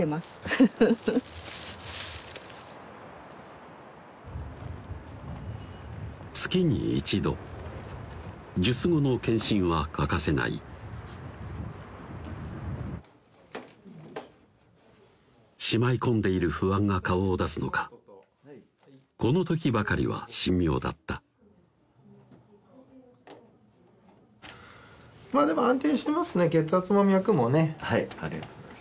フフフ月に１度術後の検診は欠かせないしまい込んでいる不安が顔を出すのかこの時ばかりは神妙だったはいありがとうございます